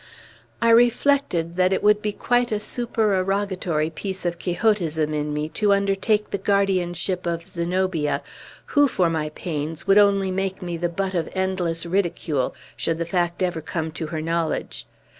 I reflected that it would be quite a supererogatory piece of Quixotism in me to undertake the guardianship of Zenobia, who, for my pains, would only make me the butt of endless ridicule, should the fact ever come to her knowledge.